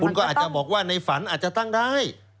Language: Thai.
คุณก็อาจจะบอกว่าในฝันอาจจะตั้งได้